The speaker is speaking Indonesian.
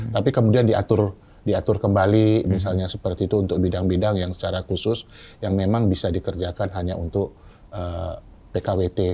tapi kemudian diatur kembali misalnya seperti itu untuk bidang bidang yang secara khusus yang memang bisa dikerjakan hanya untuk pkwt